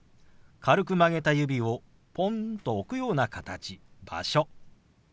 軽く曲げた指をポンと置くような形「場所」。